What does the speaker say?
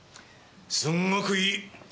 すんごくいい！